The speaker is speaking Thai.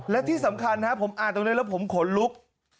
และที่สำคัญผมอ่านตรงนี้แล้วผมขนลุก